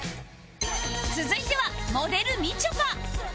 続いてはモデルみちょぱ